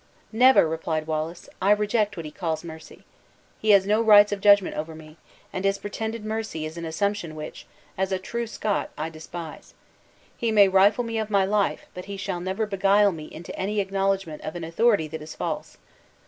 "Never!" replied Wallace; "I reject what he calls mercy. He has no rights of judgment over me, and his pretended mercy is an assumption which, as a true Scot, I despise. He may rifle me of my life, but he shall never beguile me into any acknowledgment of an authority that is false.